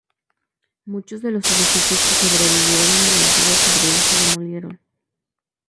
Muchos de los edificios que sobrevivieron en el antiguo jardín se demolieron.